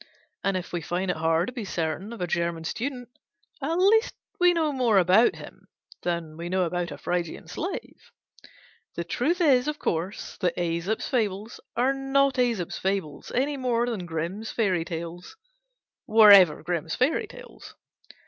And if we find it hard to be certain of a German student, at least we know more about him than We know about a Phrygian slave. The truth is, of course, that Æsop's Fables are not Æsop's fables, any more than Grimm's Fairy Tales were ever Grimm's fairy tales.